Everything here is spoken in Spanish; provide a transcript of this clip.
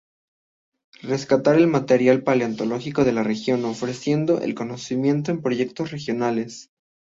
Rescatar el material paleontológico de la región, ofreciendo el conocimiento en proyectos regionales.